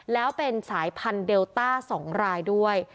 แล้วเป็นสายพันธุ์เดลต้า๒รายด้วย